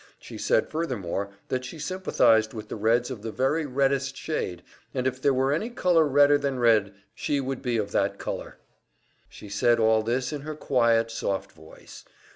She said furthermore that she sympathized with the Reds of the very reddest shade, and if there were any color redder than Red she would be of that color. She said all this in her quiet, soft voice.